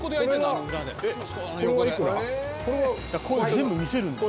「全部見せるんだよ。